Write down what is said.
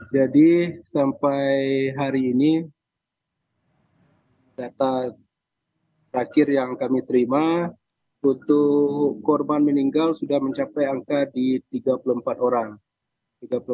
jadi sampai hari ini data terakhir yang kami terima untuk korban meninggal sudah mencapai angka di tiga puluh empat orang